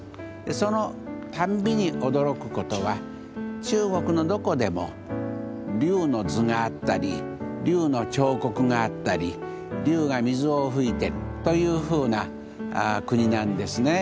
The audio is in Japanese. そのたんびに驚くことは中国のどこでも龍の図があったり龍の彫刻があったり龍が水を噴いてるというふうな国なんですね。